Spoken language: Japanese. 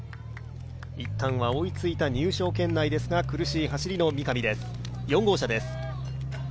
一旦は追いついた入賞圏内ですが、苦しい走りの三上です。